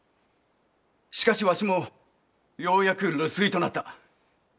しかしわしもようやく留守居となった。